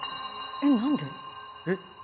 「えっ何で？」。